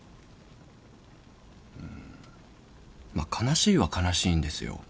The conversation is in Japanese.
まあ悲しいは悲しいんですよ。